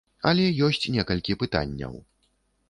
Але ёсць некалькі пытанняў.